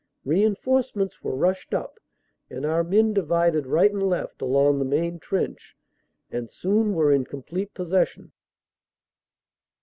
Reinforcements were rushed up and our men divided right and left, along the main trench, and soon were in com plete possession.